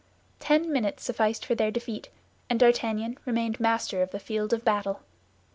Ten minutes sufficed for their defeat, and D'Artagnan remained master of the field of battle.